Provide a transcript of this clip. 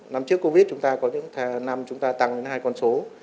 năm trước covid chúng ta có những năm chúng ta tăng đến hai con số